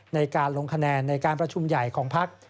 ในการลงคะแนนในการประชุมใหญ่ของพัก